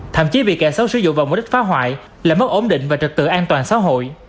thậm chí bị kẻ xấu sử dụng vào mục đích phá hoại làm mất ổn định và trật tự an toàn xã hội